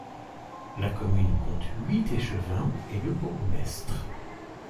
La commune compte huit échevins et le bourgmestre.